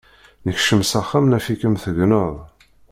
Nekcem s axxam, naf-ikem tegneḍ.